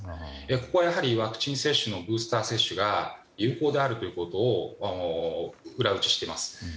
ここはワクチン接種のブースター接種が有効だということを裏打ちしています。